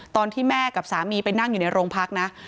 ตอนที่แม่กับสามีไปนั่งอยู่ในโรงพักนะ